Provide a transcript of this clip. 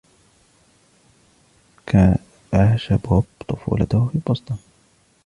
عاش بوب طفولته في بوسطن.